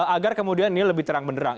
agar kemudian ini lebih terang benderang